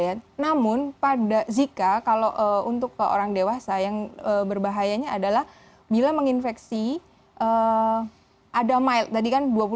ya namun pada zika kalau untuk ke orang dewasa yang berbahayanya adalah bila menginfeksi ada